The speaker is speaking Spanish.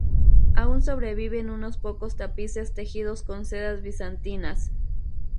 Aun sobreviven unos pocos tapices tejidos con sedas bizantinas.